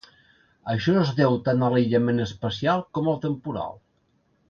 Això es deu tant a l'aïllament espacial com al temporal.